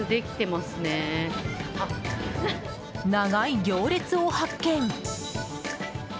長い行列を発見！